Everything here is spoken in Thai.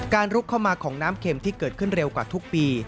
ลุกเข้ามาของน้ำเข็มที่เกิดขึ้นเร็วกว่าทุกปี